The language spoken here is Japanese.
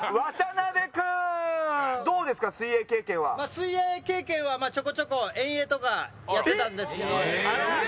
水泳経験はちょこちょこ遠泳とかやってたんですけど。